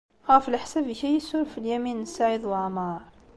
Ɣef leḥsab-ik, ad iyi-yessuref Lyamin n Saɛid Waɛmeṛ?